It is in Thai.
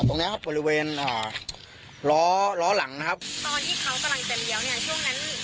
ตรงเนี้ยครับบริเวณอ่าล้อล้อหลังนะครับตอนที่เขากำลังเต็มเดียวเนี้ย